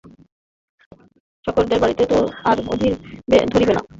চাকরদের গাড়িতে তো আর ধরিবে না।